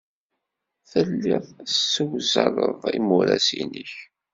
Telliḍ tessewzaleḍ imuras-nnek.